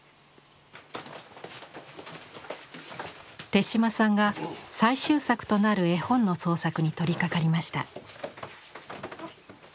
手島さんが最終作となる絵本の創作に取りかかりました。